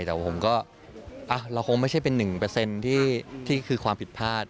แต่ว่าผมก็เราคงไม่ใช่เป็น๑ที่คือความผิดพลาด